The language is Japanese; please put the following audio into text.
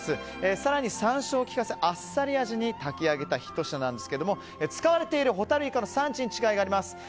更に山椒をきかせ、あっさり味に炊き上げたひと品なんですけど使われているホタルイカの産地に違いがあります。